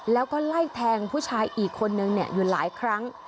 แล้วก็ไล่แทงผู้ชายอีกคนนึงอยู่หลายครั้ง